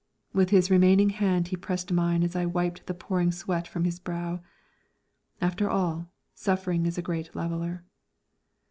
With his remaining hand he pressed mine as I wiped the pouring sweat from his brow. After all, suffering is a great leveller.